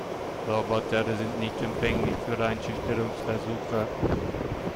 Roboter sind nicht empfänglich für Einschüchterungsversuche.